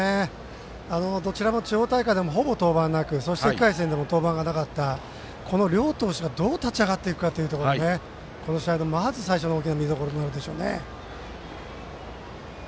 どちらも、地方大会でもほぼ登板なくそして１回戦でも登板がなかった両投手がどう立ち上がっていくかがこの試合のまず見どころでしょうね。